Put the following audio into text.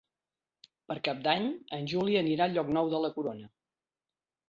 Per Cap d'Any en Juli anirà a Llocnou de la Corona.